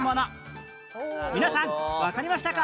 皆さんわかりましたか？